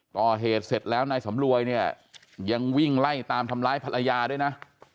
ก่อเหตุเสร็จแล้วนายสำรวยเนี่ยยังวิ่งไล่ตามทำร้ายภรรยาด้วยนะ